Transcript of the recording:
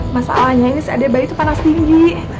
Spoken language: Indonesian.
masalahnya ini seada bayi itu panas tinggi